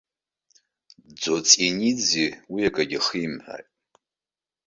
Ӡоҵениӡе уи акгьы ахимҳәааит.